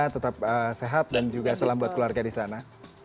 tetap sehat dan juga salam buat keluarga di sana